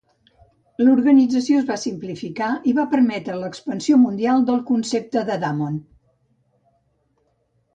L'organització es va simplificar i va permetre l'expansió mundial del concepte de Damon.